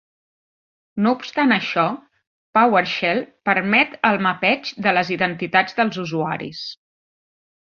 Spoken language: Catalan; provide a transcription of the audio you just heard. No obstant això, Powershell permet el mapeig de les identitats dels usuaris.